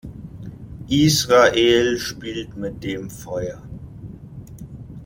Israel spielt mit dem Feuer.